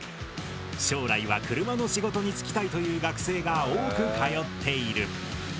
将来は車の仕事に就きたいという学生が多く通っている。